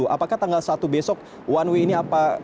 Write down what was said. apakah tanggal satu besok one way ini apa